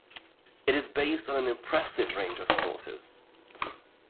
It is based on an impressive range of sources.